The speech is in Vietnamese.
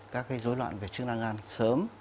các cái dối loạn về chức năng gan sớm